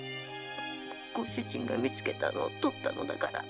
ご主人が見つけたのを取ったのだから。